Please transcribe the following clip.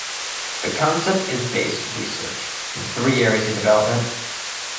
The concept is based research in three areas of development.